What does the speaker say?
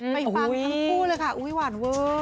ฟังทั้งคู่เลยค่ะอุ๊ยหวานเวอร์